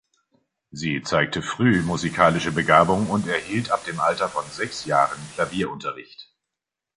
Sie zeigte früh musikalische Begabung und erhielt ab dem Alter von sechs Jahren Klavierunterricht.